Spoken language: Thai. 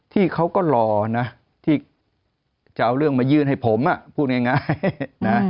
ที่เขาก็รอนะที่จะเอาเรื่องมายื่นให้ผมพูดง่ายนะ